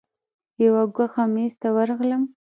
یو ګوښه میز ته ورغلم.